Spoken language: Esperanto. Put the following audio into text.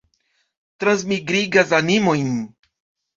Transmigrigas animojn.